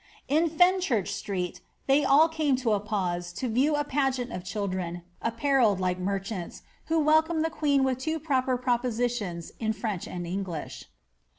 In Fenchurch Street they all came to a pause to view a pageant of children apparelled like merchants, who welcomed the queen with two proper propositions in French and English.